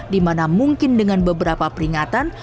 dimana mungkin dengan beberapa peringatan